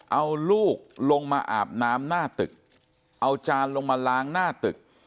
เอาลูกลงมาอาบน้ำหน้าตึกเอาจานลงมาล้างหน้าตึก